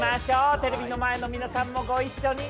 テレビの前の皆さんも御一緒に